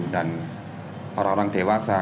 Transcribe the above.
dan orang orang dewasa